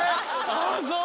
ああそう！